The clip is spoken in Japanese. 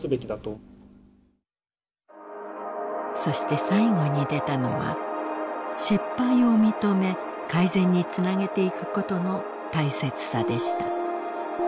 そして最後に出たのは失敗を認め改善につなげていくことの大切さでした。